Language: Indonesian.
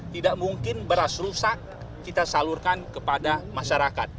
tidak mungkin beras rusak kita salurkan kepada masyarakat